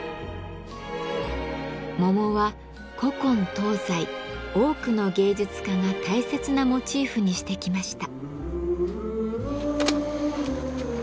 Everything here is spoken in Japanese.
桃は古今東西多くの芸術家が大切なモチーフにしてきました。